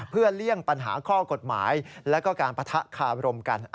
เพื่อเลี่ยงปัญหาข้อกฎหมายแล้วก็การปะทะคาบรมกัน